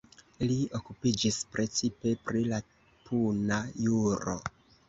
Li okupiĝis precipe pri la puna juro.